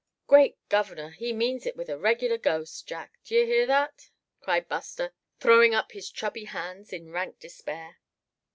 "Great governor! he means it was a regular ghost, Jack, d'ye hear that?" cried Buster, throwing up his chubby hands in rank despair.